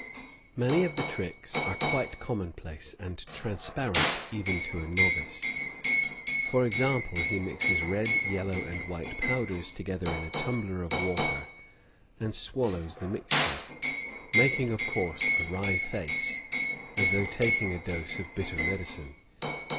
Many of the tricks are quite commonplace and transparent even to a novice. For example, he mixes red, yellow, and white powders together in a tumbler of water and swallows the mixture, making, of course, a wry face, as though taking a dose of bitter medicine.